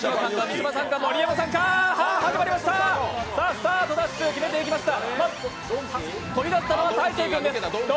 スタートダッシュ決めていきました。